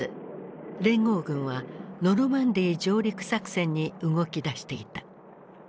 連合軍はノルマンディー上陸作戦に動きだしていた。